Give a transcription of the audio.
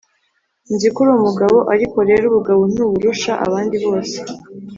Nzi ko uri umugabo, ariko rero ubugabo ntuburusha abandi bose